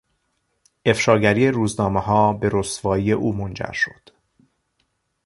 افشاگری روزنامهها به رسوایی او منجر شد.